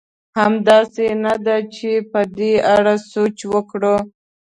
همداسې نه ده؟ چې په دې اړه سوچ وکړو.